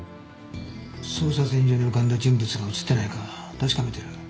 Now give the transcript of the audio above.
捜査線上に浮かんだ人物が映っていないか確かめてる。